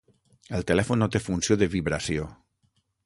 El telèfon no té funció de vibració.